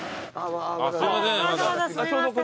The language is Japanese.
わざわざすいません。